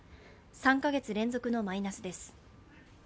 ３か月連続のマイナスです。